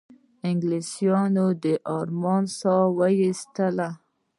انګلیسیانو د آرامۍ ساه وایستله.